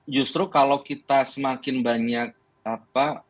justru kalau kita semakin banyak pasar atau pemilik